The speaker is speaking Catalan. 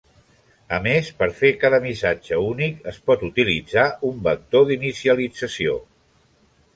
A més, per fer cada missatge únic es pot utilitzar un vector d'inicialització.